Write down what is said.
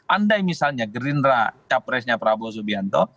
andai misalnya gerindra capresnya prabowo subianto